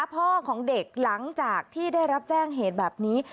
พ่อของเด็กหลังจากที่ได้รับแจ้งเหตุแบบนี้